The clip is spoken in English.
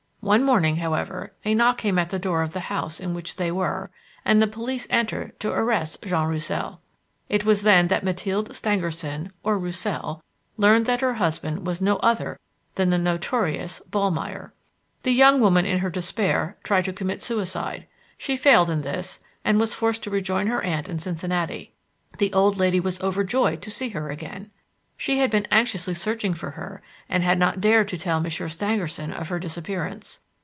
One morning, however, a knock came at the door of the house in which they were and the police entered to arrest Jean Roussel. It was then that Mathilde Stangerson, or Roussel, learned that her husband was no other than the notorious Ballmeyer! The young woman in her despair tried to commit suicide. She failed in this, and was forced to rejoin her aunt in Cincinnati, The old lady was overjoyed to see her again. She had been anxiously searching for her and had not dared to tell Monsieur Stangerson of her disappearance.